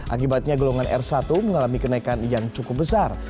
akibatnya golongan r satu mengalami kenaikan yang cukup besar